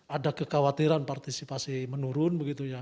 ada kekhawatiran partisipasi menurun